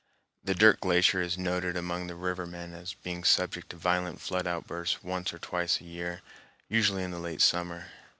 The Dirt Glacier is noted among the river men as being subject to violent flood outbursts once or twice a year, usually in the late summer.